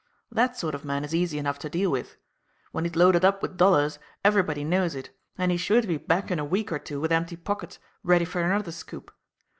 That sort of man is easy enough to deal with. When he's loaded up with dollars everybody knows it, and he's sure to be back in a week or two with empty pockets, ready for another scoop.